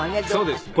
そうですね。